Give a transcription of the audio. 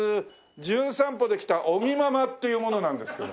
『じゅん散歩』で来た尾木ママっていう者なんですけど。